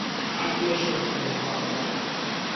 High Commission serves Botswana.